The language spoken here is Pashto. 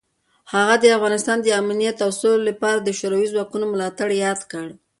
هغه د افغانستان د امنیت او سولې لپاره د شوروي ځواکونو ملاتړ یاد کړ.